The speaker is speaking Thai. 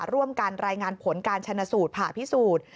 ร่วมกันรายงานผลการชนะสูตรผ่าพิสูจน์